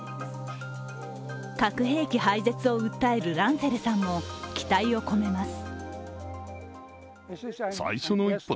核兵器廃絶を訴えるランセレさんも期待を込めます。